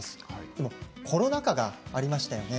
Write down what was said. でもコロナ禍がありましたね。